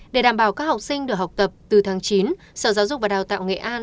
để đảm bảo các học sinh được học tập từ tháng chín sở giáo dục và đào tạo nghệ an